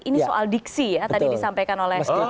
ini soal diksi ya tadi disampaikan oleh